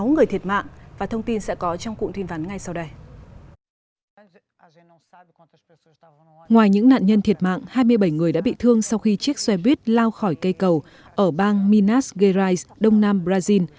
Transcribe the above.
ngoài những nạn nhân thiệt mạng hai mươi bảy người đã bị thương sau khi chiếc xe buýt lao khỏi cây cầu ở bang minas gerais đông nam brazil